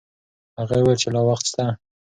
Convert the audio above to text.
هغې وویل چې لا وخت شته.